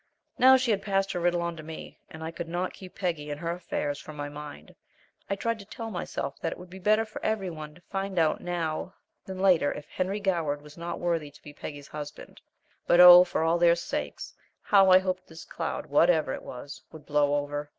Now she had passed her riddle on to me, and I could not keep Peggy and her affairs from my mind. I tried to tell myself that it would be better for every one to find out now than later if Henry Goward was not worthy to be Peggy's husband. But, oh, for all their sakes, how I hoped this cloud, whatever it was, would blow over!